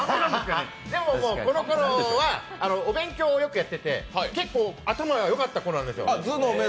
でも、このころはお勉強をよくやってて結構頭が良かった頃なんです。